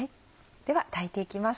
では炊いていきます。